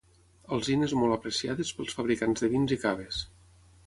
Alzines molt apreciades pels fabricants de vins i caves.